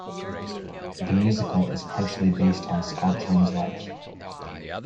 The musical is partially based on Schalchlin's life.